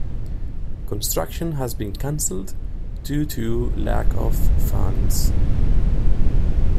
Construction has been cancelled due to lack of funds.